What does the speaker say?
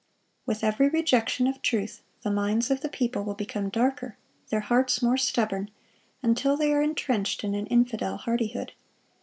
With every rejection of truth, the minds of the people will become darker, their hearts more stubborn, until they are entrenched in an infidel hardihood.